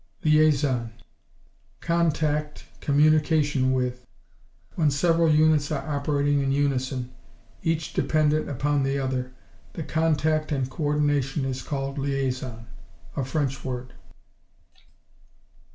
Liaison Contact, communication with. When several units are operating in unison, each dependent upon the other, the contact and coordination is called liaison a French word.